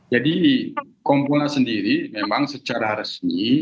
jadi kompulans sendiri memang secara resmi